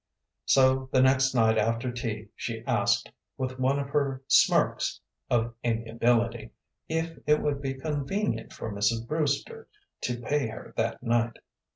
So the next night after tea she asked, with one of her smirks of amiability, if it would be convenient for Mrs. Brewster to pay her that night.